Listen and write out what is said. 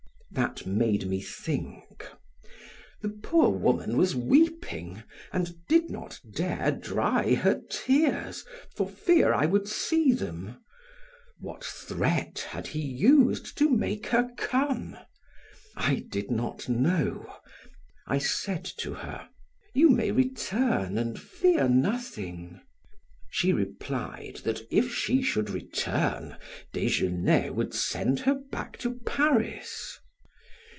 That made me think. The poor woman was weeping and did not dare dry her tears for fear I would see them. What threat had he used to make her come? I did not know. I said to her: "You may return and fear nothing." She replied that if she should return Desgenais would send her back to Paris.